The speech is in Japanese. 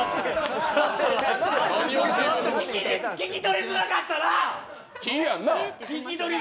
聞き取りづらかったな！